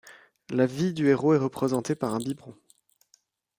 La vie du héros est représentée par un biberon.